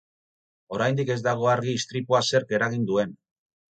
Oraindik ez dago argi istripua zerk eragin duen.